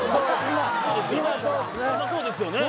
今そうですよね？